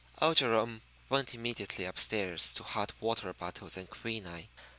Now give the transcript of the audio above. Old Jerome went immediately up stairs to hot water bottles and quinine.